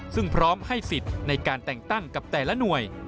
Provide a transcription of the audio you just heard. ซึ่งพร้อมให้สิทธิ์ในการแต่งตั้งกับแต่ละหน่วย